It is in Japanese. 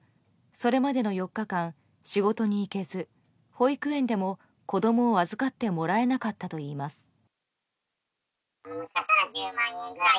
それまでの４日間、仕事に行けず保育園でも子供を預かってもらえなかったといいます。